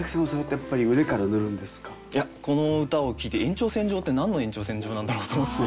いやこの歌を聞いて「延長線上」って何の延長線上なんだろうと思って。